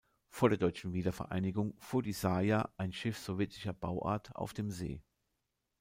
Vor der Deutschen Wiedervereinigung fuhr die "Sarja", ein Schiff sowjetischer Bauart, auf dem See.